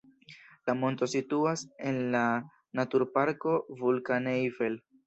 La monto situas en la Naturparko Vulkaneifel.